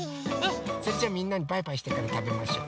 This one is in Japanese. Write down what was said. それじゃあみんなにバイバイしてからたべましょう。